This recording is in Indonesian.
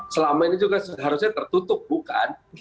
selama ini juga seharusnya tertutup bukan